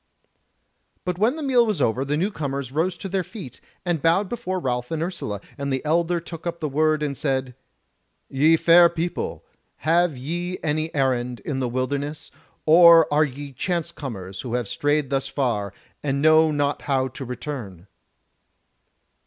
But when the meal was over, the new comers rose to their feet, and bowed before Ralph and Ursula, and the elder took up the word and said: "Ye fair people, have ye any errand in the wilderness, or are ye chance comers who have strayed thus far, and know not how to return?"